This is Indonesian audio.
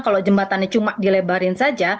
kalau jembatannya cuma dilebarin saja